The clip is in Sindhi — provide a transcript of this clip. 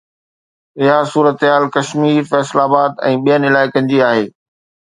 اها صورتحال ڪشمير، فيصل آباد ۽ ٻين علائقن جي آهي